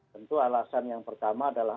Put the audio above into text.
tentu alasan yang pertama adalah